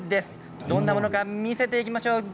どんなものか見せていきましょう。